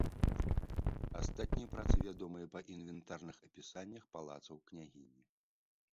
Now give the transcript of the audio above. Астатнія працы вядомыя па інвентарных апісаннях палацаў княгіні.